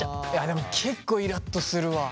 でも結構イラっとするわ。